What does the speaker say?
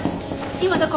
今どこ？